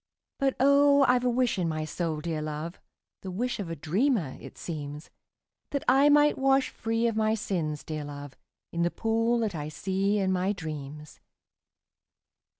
But, oh, I 've a wish in my soul, dear love, (The wish of a dreamer, it seems,) That I might wash free of my sins, dear love, In the pool that I see in my dreams.